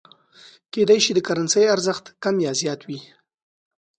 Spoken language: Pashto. کېدای شي د کرنسۍ ارزښت کم او یا زیات وي.